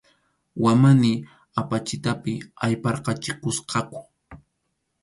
Wamani apachitapi ayparqachikusqaku.